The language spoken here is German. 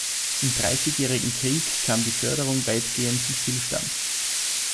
Im Dreißigjährigen Krieg kam die Förderung weitgehend zum Stillstand.